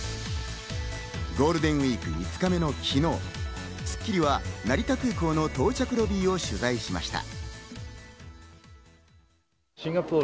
ゴールデンウイーク５日目の昨日、『スッキリ』は成田空港の到着ロビーを取材しました。